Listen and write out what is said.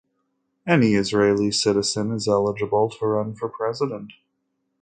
Any Israeli citizen is eligible to run for president.